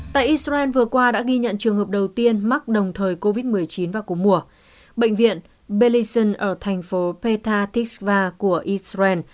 tại israel vừa qua đã ghi nhận trường hợp đầu tiên mắc đồng thời covid một mươi chín